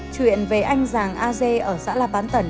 chuyện về anh giàng a dê ở xã lạp bán tẩn